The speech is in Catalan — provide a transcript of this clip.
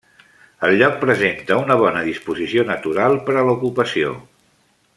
El lloc presenta una bona disposició natural per a l'ocupació.